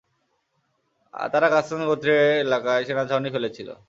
তারা গাসসান গোত্রের এলাকায় সেনা ছাউনি ফেলেছিল।